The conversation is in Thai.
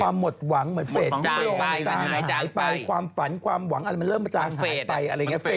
ความหมดหวังเหมือนเฟศมันหายไปความฝันความหวังอะไรมันเริ่มมันตามหายไปอะไรนะเพศ